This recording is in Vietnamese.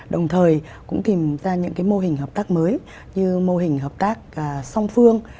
đồng thời cũng tìm ra những mô hình hợp tác mới như mô hình hợp tác song phương